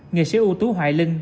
nghệ sĩ ưu tú hoài linh